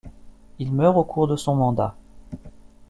Il meurt au cours de son mandat.